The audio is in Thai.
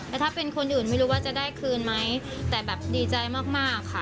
แล้วถ้าเป็นคนอื่นไม่รู้ว่าจะได้คืนไหมแต่แบบดีใจมากมากค่ะ